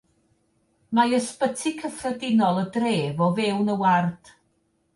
Mae Ysbyty Cyffredinol y dref o fewn y ward.